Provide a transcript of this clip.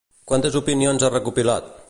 Quantes opinions ha recopilat?